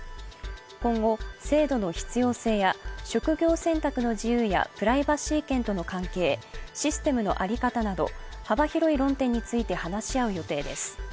今後、制度の必要性や職業選択の自由やプライバシー権との関係システムの在り方など幅広い論点について話し合う予定です。